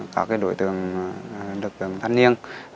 các đối tượng thanh niên